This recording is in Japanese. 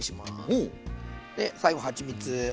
おお！で最後はちみつ。